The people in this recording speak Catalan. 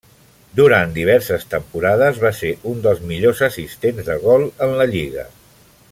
Durant diverses temporades va ser un dels millors assistents de gol en la lliga.